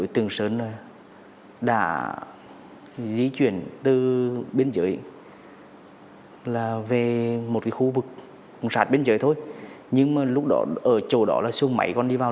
từ biên giới là về một khu vực sát biên giới thôi nhưng mà lúc đó ở chỗ đó là xuống mấy con đi vào